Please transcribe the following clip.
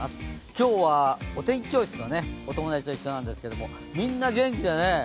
今日はお天気教室のお友達と一緒なんですけれどもみんな元気だね。